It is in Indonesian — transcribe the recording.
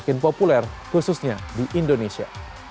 semakin populer khususnya di indonesia